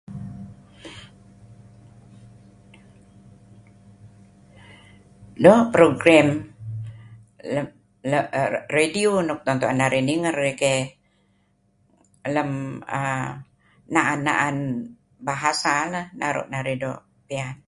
Doo' program la' lem radio nuk tuen narih ninger iih keyh. Lem uhm naan-naan bahasa lah naru' narih doo' liat.